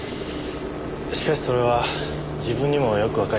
しかしそれは自分にもよくわかりません。